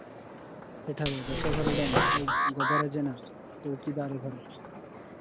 ସେଠାରେ ଦଶଘର ଡମ ଆଉ ଗୋବରା ଜେନା ଚୌକିଦାର ଘର ।